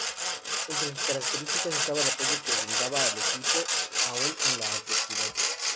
Entre sus características estaba el apoyo que brindaba al equipo aún en la adversidad.